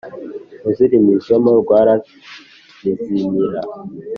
muzimirizamo rwantizimira